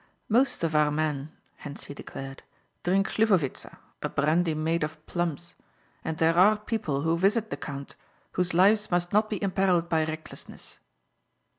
"Most of our men," Hentzi declared, "drink shlivovitza, a brandy made of plums, and there are people who visit the count whose lives must not be imperilled by recklessness."